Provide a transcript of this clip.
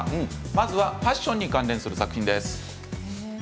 まずはファッションに関連する作品です。